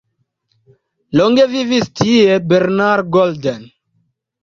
Longe vivis tie Bernard Golden.